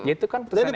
itu kan putusan ma